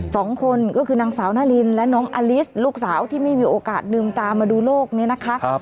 สองคนก็คือนางสาวนารินและน้องอลิสลูกสาวที่ไม่มีโอกาสลืมตามาดูโลกนี้นะคะ